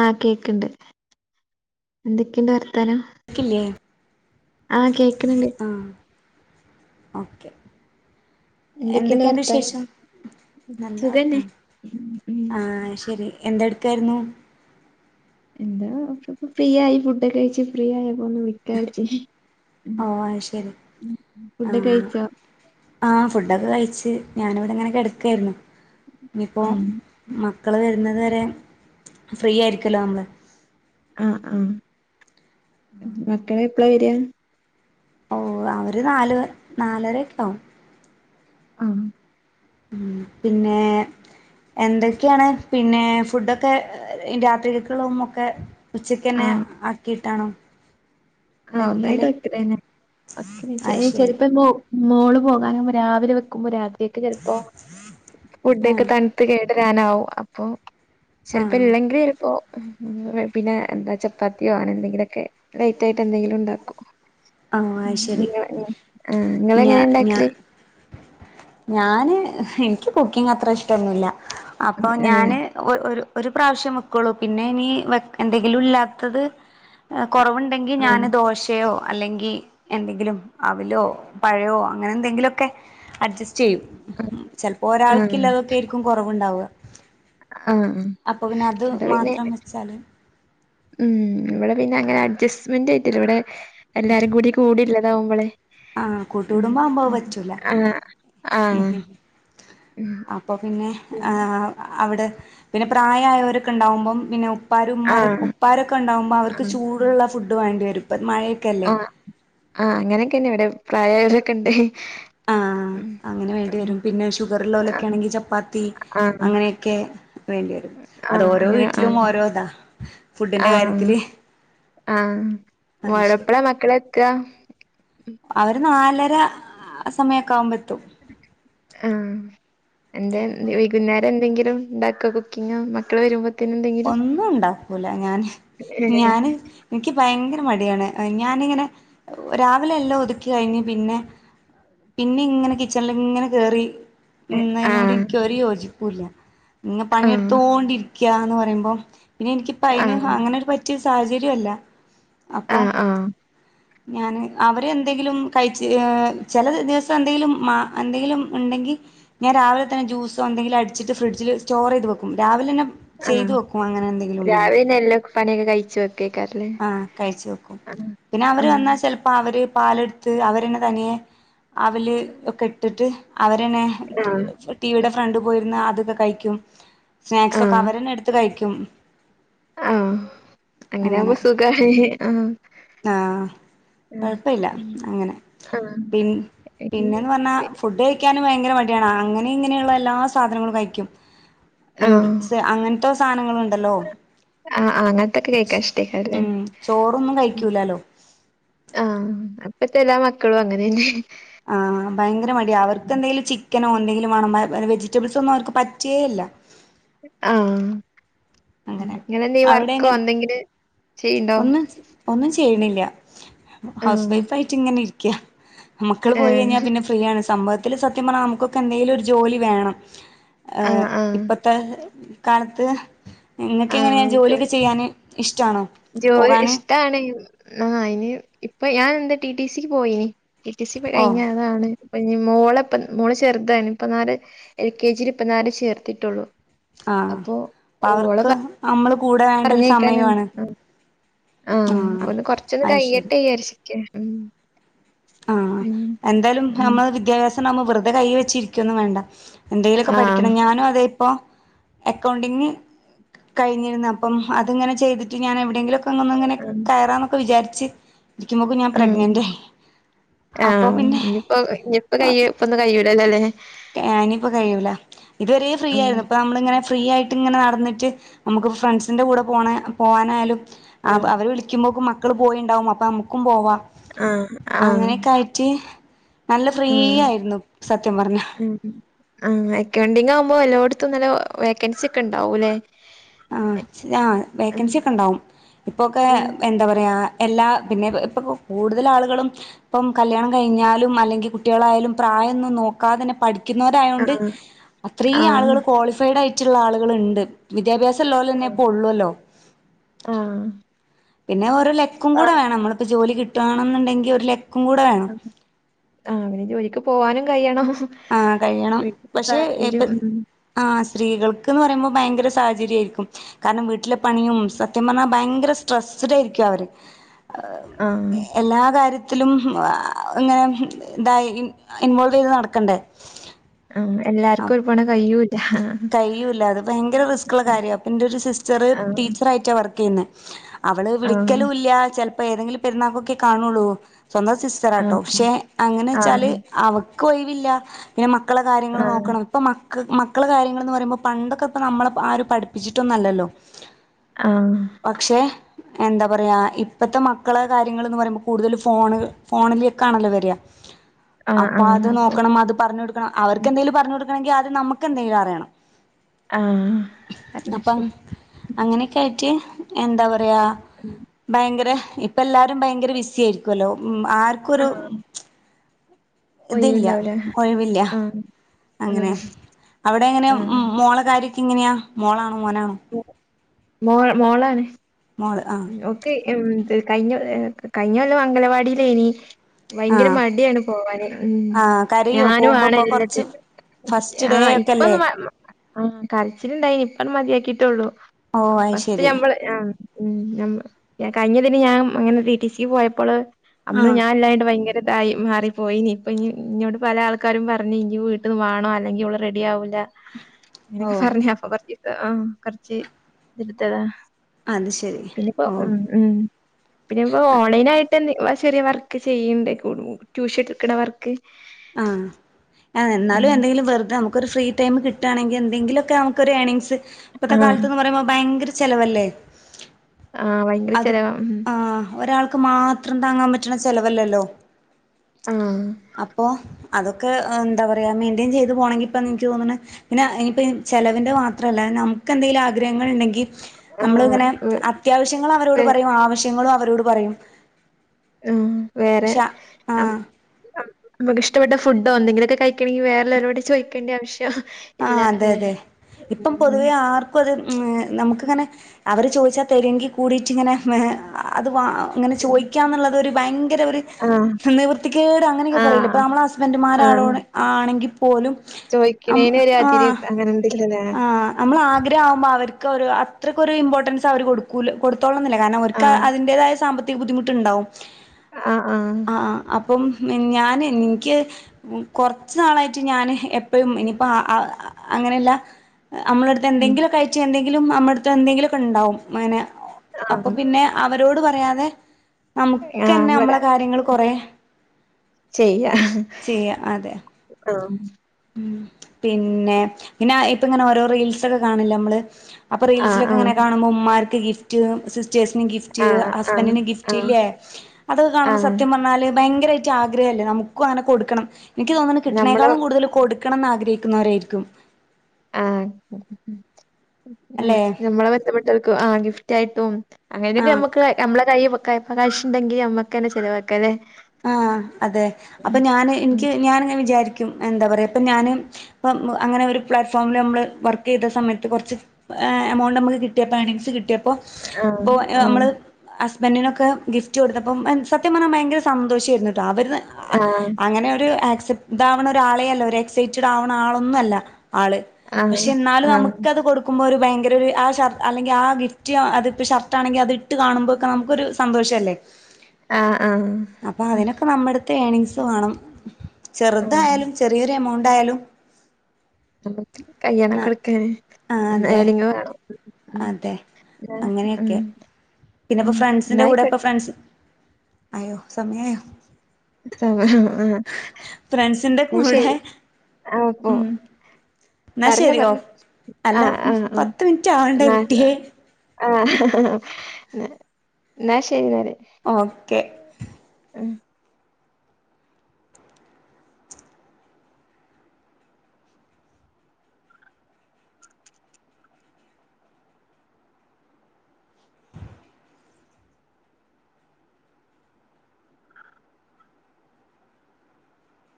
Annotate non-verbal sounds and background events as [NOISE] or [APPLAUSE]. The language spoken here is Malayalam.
ആഹ് കേക്ക്ണ്ട് എന്തൊക്കെയുണ്ട് വർ ക്ക്ല്ലേ ആഹ് കേക്ക്ണ് ണ്ട് ഓക്കെ എന്തൊക്കെണ്ട് വിശേഷം നല്ല സുഖന്നെ വർത്താനം ഉം ഉം. ആ അയ്ശരി എന്ത് എട്ക്കായിരുന്നു എന്താ ഫ്രീ ആയി ഫുഡൊക്കെ കഴിച്ച് ഫ്രീ ആയി ഓ അയ്ശരി ഫുഡ് ആഹ് കഴിച്ചോ ആ ഫുഡൊക്കെ കഴിച്ച് ഞാനിവിടെങ്ങനെ കിടക്കായിരുന്നു ഞ്ഞ്പ്പോ ഉം മ മക്കള് വരുന്നത് വരെ ഫ്രീ ആയിരിക്കല്ലോ നമ്മള് ആ ആഹ് എന്ത് മക്കള് എപ്പളാ വരാ അള്ളാ ഒര് നാല് നാലരൊക്കെ ആവും ആഹ് ഉം പിന്നെ എന്തൊക്കെയാണ് പിന്നെ ഫുഡൊക്കെ രാത്രികക്ക്ള്ളൊം ഒക്കെ ഉച്ചക്കന്നെ ആക്കിയിട്ടാണോ? ആഹ് ഒന്നായിട്ട് വെക്കല് വക്കലന്നെ. [UNINTELLIGIBLE] ചെ അത് ശരി ചെലപ്പമോ മോള് പോകാനുമ്പോ രാവിലെ വെക്കുമ്പോ രാ ത്രിക്ക് ചിലപ്പോ ഫുഡ ഒക്കെ ആഹ് തണുത്ത് കേ ടാരാനാവും അപ്പൊ ചെലപ്പം ആഹ് ഇല്ലെങ്കിൽ ഇപ്പോ ഉം പിന്നെ എന്താ ചപ്പാത്തിയോ ആണ് എന്തെങ്കിലുമൊക്കെ ക യിട്ട് എന്തെങ്കിലും ഉണ്ടാക്കും. ആ ഉം ശരി നിങ്ങ ആഹ് ഞ നിങ്ങളെങ്ങനെ ഞ ഉണ്ടാക്കല് ഞാന് എനിക്ക് കുക്കിംങ് അത്ര ഇഷ്ടമൊന്നുമില്ല. അപ്പൊ ഏഹ് ഞാന് ഒ ഒരു ഒരു പ്രാവശ്യം വെക്കുള്ളൂ പിന്നെ ഇനി വെ എന്തെങ്കിലും ഇല്ലാത്തത് ഏഹ് കുറവുണ്ടെങ്കിൽ ഞാൻ ആഹ് ദോശയോ, അല്ലെങ്കിൽ എന്തെങ്കിലും അവിലോ, പഴവോ അങ്ങനെ എന്തെങ്കിലും ഒക്കെ അഡ്ജസ്റ്റ് ചെയ്യും ചിലപ്പോൾ ആഹ് ഒരാൾക്കില്ലാതൊക്കെയിരിക്കും കുറവുണ്ടാവുക. ആഹ് ആഹ് അപ്പൊ പിന്നെ അത് ഇവിടെ പിന്നെ മാത്രം വെച്ചാല് ഉം ഇവിടെ പിന്നെ അങ്ങനെ അഡ്ജസ്റ്റ്മെന്റ് ആയിട്ടില്ല ഇവിടെ എല്ലാരും കൂടി കൂടില്ല ഇതാവുമ്പളെ ആ കൂട്ടുകൂടുംബം ആവുമ്പോ അത് പറ്റൂല ആഹ് ആഹ് ഉ ഉം അപ്പൊ പിന്നെ ഉം ആ അവിടെ പിന്നെ പ്രായവായവരൊക്കെ ഉണ്ടാവുമ്പോം പിന്നെ ഉപ്പാരും ഉമ്മാരും ആഹ് ഉപ്പാരൊക്കെ ഉണ്ടാവുമ്പോൾ അവർക്ക് ചൂടുള്ള ഫുഡ് വേണ്ടിവരും പ്പ ആ ആ അങ്ങനെ ന്നെ ഇവിടെ പ്രായംആയൊരൊക്കെ ഉണ്ട് ആ ഉം അങ്ങനെ ഉം വേണ്ടിവരും പിന്നെ ഷുഗർ ലെരൊക്കെ ആഹ് ആണെങ്കിൽ ചപ്പാത്തി ആഹ് അങ്ങനെയൊക്കെ വേണ്ടിവരും അത് ആഹ് ഓരോ അങ്ങനെ വീട്ടിലും ആഹ് ഓരോ ഇതാ ഫുഡിന്റെ കാര്യത്തില് ആ ആഹ് ശരി വടപ്പള മക്കളെത്താ അവര് നാലര സമയം ആ എന്താ വൈകുന്നേ അവിടെ എന്തെങ്കിലും ഉണ്ടാക്കോ കുക്കിംഗ് മക്കൾ വരുമ്പോ ഒന്നും ഉണ്ടാക്കൂല ഞാന് ഞാന് എനിക്ക് ഭയങ്കര മടിയാണ് ഞാനിങ്ങനെ രാവിലെ എല്ലാം ഒതുക്കി കഴിഞ്ഞ് പിന്നെ പിന്നെ ഇങ്ങനെ കിച്ചണില ഇങ്ങനെ കേറി ഉ അതിനോട് ആഹ് എനിക്ക് ഒരു യോജിപ്പ് പുല്ല ങ്ങ ആഹ് പണിയെടുത്തോണ്ടി ക്കാന്ന് പ പറയുമ്പോ പിന്നെ എനിക്ക് പ്പ അയിന് ആഹ് അങ്ങനെ ഒരു പറ്റിയ സാഹചര്യവല്ല അപ്പോ ആഹ് ആഹ് ഞാൻ അവരെ എന്തെങ്കിലും കഴിച്ച് ചില ദിവസം എന്തെങ്കിലും മാ എന്തെങ്കിലും ഉണ്ടെങ്കിൽ ഞാൻ രാവിലെ തന്നെ ജ്യൂസോ എന്തെങ്കിലും അടിച്ചിട്ട് ഫ്രിഡ്ജിൽ സ്റ്റോർ ചെയ്ത് വെക്കും രാവിലെ തന്നെ ആ ചെയ്ത് വെക്കും അങ്ങനെ രാവിലന്ന എല്ല പണിയൊക്കെ കഴിച്ചു വെക്കേക്കാരല്ലേ ആാ കഴിച്ച് വെക്കും ആഹ് പിന്നെ അവര് വന്നാ ആഹ് ചെലപ്പോ അവര് പാലെടത്ത് അവര് തന്നെ തനിയെ അവല് ഒക്കെ ഇട്ടിട്ട് അവര്ന്നെ ആഹ് ടിവിടെ ഫ്രണ്ടി പോയിര്ന്ന് അ അതൊക്കെ കഴിക്കും സ്‌നേക്സൊക്കെ അവരന്നെ എടുത്ത് കഴി ക്കും ആ അങ്ങനെയാവുമ്പോ സു ആ ആഹ് കൊഴപ്പില്ലാ ഉം അങ്ങനെ ആഹ് പി പിന്നെന്ന് പറഞ്ഞാ ഫുഡ് കഴിക്കാന് ഭയങ്കര മടിയാണ് അങ്ങനെ ഇങ്ങനെയുള്ള എല്ലാ സാധനങ്ങളും കഴിക്കും ആഹ് ന്യൂഡില്സ് അങ്ങനത്തെ സാനങ്ങളുണ്ടല്ലോ അതെ ഉം ആ ഇപ്പത്തെ എല്ലാ മക്കളും അങ്ങനെന്നെയാ ആ ഭയങ്കര മടിയാ അവർക്കന്തേലും ചി ക്കനോ എന്തെങ്കിലും വേണം വെ വെജിറ്റബിൾസൊന്നും അവർക്ക് പറ്റേ ല്ല ആ അങ്ങനെ ഇങ്ങനെന്തെ അവിടെ വർക്കോ എങ്ങനെ എന്തെങ്കിലും ചെയ്യ്ണ്ടോ ല്ലാ ഹൗസ് ആഹ് വൈഫ് ആയിട്ട് ഇങ്ങനെ ഇരി ക്ക്യാ മക്കള് പോയി കഴിഞ്ഞാ ഏഹ് പിന്നെ ഫ്രീയാണ് സംഭ ത്തില് സത്യ പറഞ്ഞ നമക്കൊക്കെ എന്തെലും ഒര് ജോലി വേണം ആഹ് ഏഹ് ആഹ് ഇപ്പത്തെ കാലത്ത് നിങ്ങക്ക് എങ്ങനെയാ ആഹ് ജോ ജോലിയൊക്കെ ചെയ്യാൻ ഇഷ്ടാണോ ജോലി പോകാന് ഇഷ്ടാണ് ആ അയ്ന് ഇപ്പ ഞാൻ എന്താ ടി ടി സിക്ക് പോയിനി റ്റി റ്റി സി യെക്കാ ഓഹ് കഴിഞ്ഞാ ആളാണ് ഇപ്പം ഇഞ് മോള് ഇപ്പം മോള് ചെർതാണ് ഇപ്പനാല് എൽ കെ ജില് ഇപ്പംനാര് ചേർത്തിട്ടോള്ളു ആ അപ്പം അവർക്ക് നമ്മള് കൂടെ വേണ്ടെ ഒര് സമയു ആണ് ആ അപ്പൊന്ന് കൊറച്ചൊന്ന് കഴിയട്ടെ വിചാരിച്ച് ഇരിക്ക്യാ ഉം ആ ഉം എന്തായാലും ഉം നമ്മള് വിദ്യാഭ്യാസ ണ്ടാവുമ്പം വെറുതെ കൈ വെച്ചിരിക്കൊന്നും വേണ്ട എന്തെങ്കിലുമൊക്കെ ആഹ് പഠിക്കണം ഞാനും അതെ ഇപ്പൊ അക്കൗണ്ടിങ് കഴിഞ്ഞിരുന്നു അപ്പം അത്ങ്ങനെ ചെയ്തിട്ട് ഞാൻ എവിടെങ്കിലും ഒക്കെ അങ്ങനെ ആഹ് കയറാന്നൊക്കെ വിചാരിച്ചു [INAUDIBLE] ഇരിക്കുമ്പോ ഞാൻ പ്രെഗ്നന്റ് ആയി ആ ഇനിയിപ്പോ ഇനിയിപ്പ കൈ ഇപ്പൊന്ന് കൈ ല്ലല്ലേ ഇനിയിപ്പോ കഴിയൂല ഇത് വരെ ഫ്രീ ആയിരുന്നു ഇപ്പ ആഹ്. നമ്മളിങ്ങനെ ഫ്രീ ആയിട്ട് ഇങ്ങനെ നടന്നിട്ട് നമുക്കിപ്പോ ഫ്രണ്ട്സിൻ്റെ കൂടെ പോണേ പോകാനായാലും അവ ആഹ്. അവര് വിളിക്കുമ്പോ മ മക്കള് പോയിണ്ടാവും അപ്പം നമുക്കും പോവാം ആഹ്. ആഹ്. അങ്ങനെയൊക്കെ ആയിട്ട് നല്ല ഫ്രീ ആഹ്. ആയിരുന്നു സത്യം പറഞ്ഞാ ഉം. ആഹ് ആ ട്രെൻഡിംഗ് ആവുമ്പോ എല്ലോട ഇപ്പം നല്ല വേക്കൻസി ഒക്കെ ഉണ്ടാവൂല്ലേ ആ ആ ഉം. വേക്കൻസി ഒക്കെ ഉണ്ടാവും ഇപ്പൊക്കെ ഉം. എന്താ പറയകാ എല്ലാ പിന്നെ ഇപ്പ കൂടുതൽ ആളുകളും ഇപ്പം കല്യാണം കഴിഞ്ഞാലും അല്ലെങ്കിൽ കുട്ടികളായാലും പ്രായമൊന്നും നോക്കാതെ തന്നെ പഠി ക്കുന്നൊരായോണ്ട് ആഹ്. അത്രയും ആഹ്. ആളുകള് കോളിഫൈഡ് ആയി - ട്ടുള്ള ആളുകളുണ്ട് വിദ്യാഭ്യാസ മൊള്ളവരെ ഒള്ളുവല്ലോ പിന്നെ ഒരു ലക്കും കൂടെ ആഹ്. വേണം നമ്മളിപ്പോ ജോലി കിട്ടു ട്ടാ ആണെന്നുണ്ടെങ്കിൽ ഒരു ല ആ അങ്ങനെ ജോലിക്കും പോവാനും കഴിയണം ആ കഴിയണം വീട്ടിത്തെ പക്ഷെ എപ്പ സാഹചര്യം ഉം. ആ സ്ത്രീകൾക്ക്ന്ന് പറയുമ്പോ ഭയങ്കര സാഹചര്യം ആയിരിക്കും കാരണം വീട്ടിലെ പണിയും സത്യം പറഞ്ഞാൽ ഭയങ്കര സ്ട്രെസ്ഡ് ആയിരിക്കും അവര് ആഹ്. എല്ലാ കാര്യത്തി ത്തിലും ഇങ്ങനെ ഇതായി ഇൻവോൾവെയ്ത് നട ക്കണ്ടേ ആ എല്ലാർക്കും ഒരുപോണം കയ്യൂ കഴൂല്ല അത് ഭയങ്കര റിസ്ക്ള്ള കാര്യ അപ്പന്റെരു സിസ്റ്ററ് ആഹ്. ടീച്ചർ ആയിട്ടാ വർ ക്കെയ്ന്ന് അവള് ആഹ്. വിളിക്കലും ഇല്ല ചെ ഇപ്പൊ ഏതെങ്കിലും പെരുന്നാകൊക്കെ കാണുള്ളൂ സ്വന്തം സിസ്റ്ററാട്ടോ ആഹ്. ക്ഷെ ആഹ്. അങ്ങനെച്ചാല് അവ ഒഴിവില്ല പിന്നെ മ മക്കളെ കാര്യങ്ങൾ ആഹ്. നോക്കണം ഇപ്പൊ മ മക്കള് മക്കളെ കാര്യങ്ങളൾന്ന് പറയുമ്പോൾ പണ്ടൊക്കെ ഇപ്പോ നമ്മെ ആരും പഠിപ്പിച്ചിട്ടൊന്നുംഅല്ലല്ലോ ആ എന്താ പറയാ ഇപ്പത്തെ മക്കളെ കാര്യങ്ങൾന്ന് പറയുമ്പോൾ കൂടുതൽ ഫോണ് ഫോണിലേക്കാണല്ലോ വരാ അപ്പൊ അത് നോക്കണം അത് പറഞ്ഞ്കൊടുക്കണം അവർക്ക് എന്തേങ്കിലും പറഞ്ഞോടു ങ്കി അത് നമ്മ എക്കെന്തെങ്കിലും അറിയണം ആ ഒക്കെ എന്താ പറ യ ഭയങ്കര ഇപ്പം എല്ലാവരും ഭയങ്കര ബിസി ആയിരിക്കുഅല്ലോ ഉം ആർക്കൊരു ആഹ്. ഇതില്ല ഒഴിവുണ്ടാവൂല. ഒഴിവില്ല ആ. അങ്ങനെ ആഹ്. അവിടെങ്ങനെ ആ. മോളെകാര്യ ഇങ്ങനെയാ മോള മോനാണോ മോൾ മോളാണ് മോള് ആഹ് ഓക്കെ എന്ത്‌ കഴിഞ്ഞ എഹ്‌ കഴിഞ്ഞ കൊല്ലം അംഗനവാടില് ഇനി ഭയങ്കര ആഹ് മടിയാണ് പോവാന് ഉം ആഹ് കരയോ ഞാനും പോകുമ്പോ ആടെ ഇപ്പൊ ഇരുന്നിട്ട് കൊറച്ച് ഫസ്റ്റ് ആ ഡേ ഒക്കെല്ലേ ഇപ്പൊന്ന് ആ കരച്ചിലുണ്ടായിനി ഇപ്പൊ മതിയാക്കിട്ട് ട്ടുളു ഓ അത് ഫസ്റ്റ് ശരി ഞമ്മള് ആ ഉം ഞമ്മ കഴിഞ്ഞതിന് ഞാൻ അങ്ങനെ ടി ടി സി പോയപ്പോള് അന്ന് ആഹ് ഞാൻ ഇല്ലായിട്ട് ഭയങ്കര ആയി മാറിപ്പോയി ഇനി ഇപ്പ ഇ ഇന്നോട് പല ആൾക്കാരും പറഞ് ഇജ്ജ് വീട്ടിൽ വാണം അല്ലെങ്കിൽ ഓൾ റെഡി ആവൂല വൂല അങ്ങനെയൊക്കെ ഓ പറഞ്ഞ അപ്പ കൊറച്ചീസം പറ ആഹ കുറച്ച് ഇതിടുത്തതാ അത് ശരി പിന്നെപ്പോ ഓഹ് മ് ഓൺലൈൻ ആയിട്ട്ന്ന ചെറിയ വർക്ക് ചെയ്യ്ണ്ട് കൂ ട്യൂഷൻ എടുക്കണ വർക്ക് ആ ഉം എന്നാലും എന്തെങ്കിലും വെറുതെ നമുക്കൊരു ഫ്രീ ടൈം കിട്ടാണെങ്കിൽ എന്തങ്കിലുമൊക്കെ നമുക്ക് ഒരു ഏണിങ്സ്‌ ഇപ്പത്തെ ആഹ് കാലത്ത്ന്ന് പറയുമ്പോ ഭയങ്കര ചെലവല്ലേ ആഹ് ഭയങ്കര ചെലവാ ഹ്മ് ക്ക് മാത്രം താങ്ങാൻ പറ്റണ ചെലവല്ലല്ലോ ആ അപ്പോൾ അതൊക്കെ എന്താ പറയുക മെയിൻറ്റയിൻ ചെയ്ത് പോകണമെിൽ ഇപ്പം എനിക്ക് തോന്നണുന്നത് പിന്നെ ഇനിപ്പൊ ചിലവിൻ്റെ മാത്രമല്ല നമുക്ക് എന്തെങ്കിലും ആഗ്രഹങ്ങൾ ഉണ്ടെങ്കി നമ്മളിങ്ങനെ അത്യാവശ്യങ്ങൾ അവരോട് വേ പറയും ആവശ്യ ങ്ങളും അവരോട് പറയും ആ വേറെ പക്ഷെ ആഹ് നമുക്ക് ഇഷ്ടപ്പെട്ട ഫുഡോ എന്തെങ്കിലൊക്കെ കഴിക്കണെങ്കിൽ വേറെഉള്ളവരോട് ചോദിക്കേണ്ട ആവിശ്യം ആ അതെ അതെ ഇപ്പം പൊതുവെ ആർക്കും അത് നമുക്കിങ്ങനെ അവർ ചോദിച്ചാൽ തരുങ്കിൽ കൂടിയിട്ടിങ്ങനെ അത് വ അങ്ങനെ ഉം ചോദിക്കാന്നുള്ളത് ഒരു ഭയങ്കര ഒരു ആഹ് നിവൃത്തിക്കേട് അങ്ങനെയൊക്കെ പറയില്ലെ ഇപ്പൊ ആഹ് നമ്മളെ ആഹ് ഹസ്ബൻറുമാരോട് ആണെങ്കിൽ പോലും അ എല്ലാതിനിം അങ്ങനെണ്ട് ആ നമ്മള് ആഗ്രഹം ആവുമ്പോ അവർക്ക് അത്രക്ക് ഒരു ഇമ്പോർട്ടൻസ് അവര് കൊടുക്കൂല കൊട് കൊടുത്തോളണമെന്നില്ല കാരണം ഓർക്ക് ആഹ് അതിന്റതായ സാമ്പത്തി ബുദ്ദിമുട്ടുണ്ടാകും ആഹ് അപ്പം മിഞാന് ഇനിക്ക് കൊർച്ച് നാളായിട്ട് ഞാന് എപ്പഴും ഇനിപ്പോ ആഹ് അങ്ങനെല്ല അമ്മളെട്ത്ത് ഉം എന്തെങ്കിലൊക്കായ്റ്റ് എന്തെ ങ്കിലും അമ്മട്ത്തെന്തെങ്കിലൊക്കെ ണ്ടാവും മന അപ്പൊ ആഹ് പിന്നെ അവരോട് പറയാ തെ ആഹ് നമുക്കന്നെ അമ്മള ഇവിടെ കാര്യങ്ങള് കൊറേ ചെയ്യാ ചെയ്യ അതെ ആഹ് ഉംഹ് പിന്നെ പിന്നാ ഇപ്പങ്ങനെ ഓരോ റീൽസൊക്കെ കാണല്ലെ മ്മള് അപ്പ ആ, ആ, റീൽസിലൊക്കെങ്ങനെ കാണുമ്പോ ഉമ്മാ ഗിഫ്റ്റ് സിസ് ചേസിന് ഗിഫ്റ്റ് ആ, ആ, ഹസ്ബന്റിന് ആ, ഗിഫ്റ്റില്ല്യേ അതൊക്കെ ആ. കാണുമ്പോ സത്യം പർഞ്ഞാല് ഭയങ്കയ് ആഗ്രഹല്ലേ നമുക്കും അങ്ങനെ കൊടുക്കണം എനിക്ക് തോന്നുണു നമ്മള് കിട്ടണേക്കാളും കൂടുതലും ന്ന് ആഗ്രഹിക്കുന്നവരായിരിക്കും ആഹ ഞ അല്ലെ ഞമ്മളെ ബന്ധപ്പെട്ടവർക്ക് ആഹ ഗിഫ്റ്റ് ആയിട്ടും അങ്ങനന് ആഹ് നമക്ക് നമ്മളെ കൈ വക്കാൻ ഇപ്പ കാശുണ്ടെങ്കി അമ്മക്ക് തന്നെ ചെലവാക്കാ അല്ലേ ആ അതെ അപ്പൊ ഞാന് ഉം. എനിക്ക് ഞാനങ്ങനെ വിചാരിക്കും ക്കും എന്താപറയുക ഇപ്പോം ഞാൻ ഇപ്പം അങ്ങനെ ഒരു പ്ലാറ്റ്ഫോമിൽ നമ്മള് വർക്ക് ചെയ്ത സമയത്ത് കുറച്ച് ഏ എമൗണ്ട് നമുക്ക് കിട്ടിയപ്പോ ഏണിങ്സ് കിട്ടിയ അപ്പോ ആ, അപ്പൊ ആ, നമ്മള് ഹസ് ബെന്നിനൊക്കെ ഗിഫ്റ്റ് കൊടുത്തപ്പോം സത്യം പറഞ്ഞ ഭയങ്കര സന്തോഷായിരുന്നു ട്ടോ അവര് ത ആ, അങ്ങനെ ഒരു ആക്സെപ് ഇതാവണ ഒരാളെ അല്ല ഒരു എക്സൈറ്റഡ് ആവണ ആളൊന്നും അല്ല ആള് ആ, പക്ഷെ എന്നാലും നമുക്കത് കൊടുക്കുമ്പോ ഒരു ഭയങ്കര ഒരു ആ ഷർട്ട് അല്ലെങ്കിൽ ആ ഗിഫ്റ്റ് അതിപ്പ ഷർട്ട് ആണെങ്കി അത് ഇട്ട് കാണുമ്പോ ഒക്കെ നമുക്കൊരു സന്തോഷല്ലേ ആഹ അപ്പൊ അതിനൊക്കെ നമ്മുടടുത്ത് ഏണിങ്സ് വേണം ആ, ചെറുതായാലും ചെറിയൊരെമൗണ്ട് ണ്ടായാലും നമുക്ക് കല്യാണം കൊടുക്കാൻ ആ ഏ അതെ ഏണിങ് വേണം ഉം. അതെ ആ, ഉം, അങ്ങനെയൊക്കെ പിന്നപ്പോ ഉം. ന്നാ ഫ്രണ്ട്സിന്റെ കൂടെ ഇപ്പൊ ആയിക്കോട്ടെ ഫ്രണ്ട്സ് അയ്യോ സോ സമയായോ ആ ആഹ ആ ഫ്രണ്ട്സിന്റെ അത് കൂടെ ശരി ആ ഓ ഉം എന്നാ ശരിയോ അല്ല ആ, പത്ത് മിനിറ്റ് ആവണ്ടേ കുട്ടിയേ ആഹ ന ന്നാ ശ ശരി ന്നാൽ ഓക്കെ